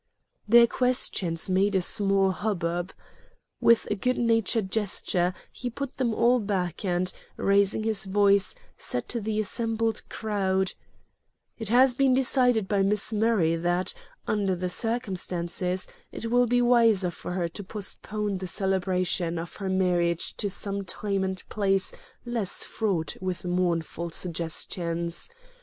Their questions made a small hubbub. With a good natured gesture, he put them all back and, raising his voice, said to the assembled crowd: "It has been decided by Miss Murray that, under the circumstances, it will be wiser for her to postpone the celebration of her marriage to some time and place less fraught with mournful suggestions.